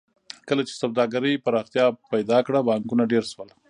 کله چې سوداګرۍ پراختیا پیدا کړه بانکونه ډېر شول